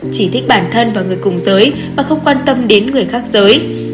chỉ thích bản thân và người cùng giới mà không quan tâm đến người khác giới